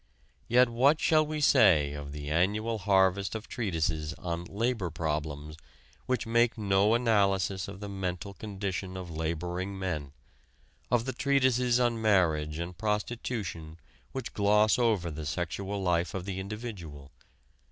Yet what shall we say of the annual harvest of treatises on "labor problems" which make no analysis of the mental condition of laboring men; of the treatises on marriage and prostitution which gloss over the sexual life of the individual?